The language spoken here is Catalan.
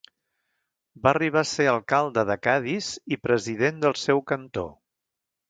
Va arribar a ser alcalde de Cadis i president del seu cantó.